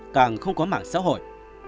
càng không có mạng xã hội